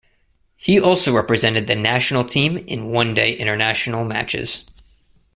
He also represented the national team in One Day International matches.